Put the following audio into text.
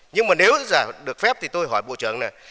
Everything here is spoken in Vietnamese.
nhưng mà nếu được phép thì tôi hỏi bộ trưởng này